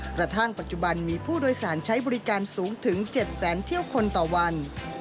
กระทั่งปัจจุบันมีผู้โดยสารใช้บริการสูงถึง๗แสนเที่ยวคนต่อวัน